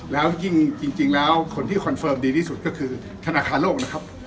แล้วยิ่งจริงแล้วคนที่คอนเฟิร์มดีที่สุดก็คือธนาคารโลกนะครับ